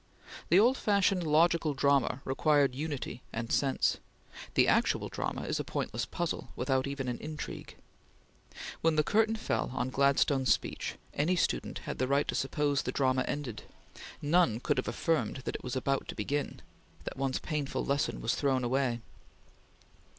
The old fashioned logical drama required unity and sense; the actual drama is a pointless puzzle, without even an intrigue. When the curtain fell on Gladstone's speech, any student had the right to suppose the drama ended; none could have affirmed that it was about to begin; that one's painful lesson was thrown away.